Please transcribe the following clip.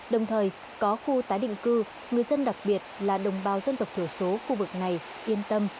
đồng thời có khu tái định cư người dân đặc biệt là đồng bào dân tộc thiểu số khu vực này yên tâm